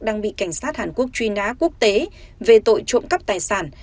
đang bị cảnh sát hàn quốc truy nã quốc tế về tội trộm cắp tài sản